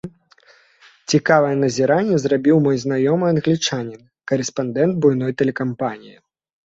Цікавае назіранне зрабіў мой знаёмы англічанін, карэспандэнт буйной тэлекампаніі.